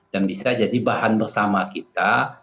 dan bisa jadi bahan bersama kita